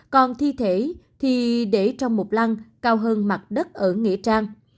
còn thi thể thì để trong một lăng cao hơn mặt đất ở nghĩa trang